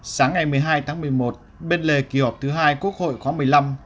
sáng ngày một mươi hai tháng một mươi một bên lề kỳ họp thứ hai quốc hội khóa một mươi năm